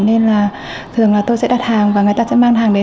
nên là thường là tôi sẽ đặt hàng và người ta sẽ mang hàng đến